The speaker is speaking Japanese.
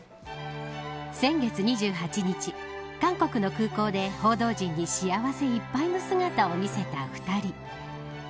先月２８日韓国の空港で、報道陣に幸せいっぱいの姿を見せた２人。